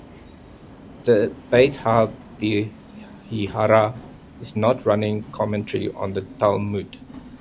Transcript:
The "Beit ha-Behirah" is not a running commentary on the Talmud.